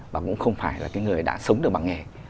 và cũng không phải là cái người đã sống được bằng nghề